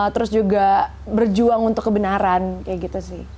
terus juga berjuang untuk kebenaran kayak gitu sih